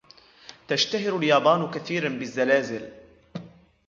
تشتهر اليابان كثيراً بالزلازل.